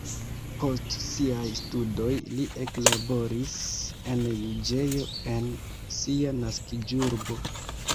Post siaj studoj li eklaboris en juĝejo en sia naskiĝurbo.